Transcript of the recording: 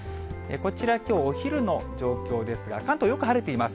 こちら、きょうお昼の状況ですが、関東、よく晴れています。